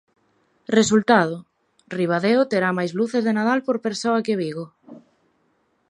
Resultado: Ribadeo terá máis luces de Nadal por persoa que Vigo.